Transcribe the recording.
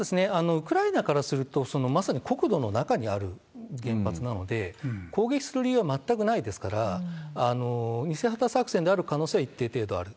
ウクライナからすると、まさに国土の中にある原発なので、攻撃する理由は全くないですから、偽旗作戦である作戦は可能性は一定程度ある。